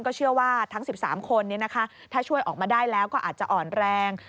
เชื่อว่าทั้ง๑๓คนถ้าช่วยออกมาได้แล้วก็อาจจะอ่อนแรง